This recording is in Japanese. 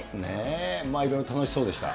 いろいろ楽しそうでした。